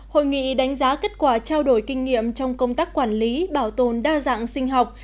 hội nghị đánh giá kết quả trao đổi kinh nghiệm trong công tác quản lý bảo tồn đa dạng sinh học